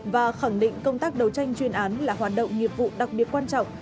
và khẳng định công tác đấu tranh chuyên án là hoạt động nghiệp vụ đặc biệt quan trọng